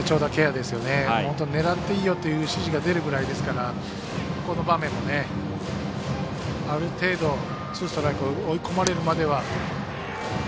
狙っていいよという指示が出るくらいですからこの場面も、ある程度ツーストライクを追い込まれるまでは。